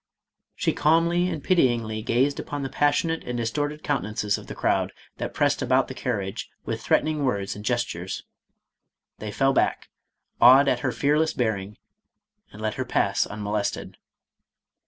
She calm'ly and pityingly gazed upon the passionate and distorted countenances of the crowd that pressed about the carriage with threatening words and ges tures ; they fell back, awed at her fearless bearing, and let her pass unmolested.